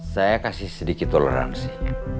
saya kasih sedikit toleransi